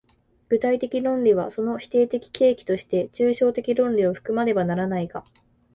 具体的論理はその否定的契機として抽象的論理を含まねばならないが、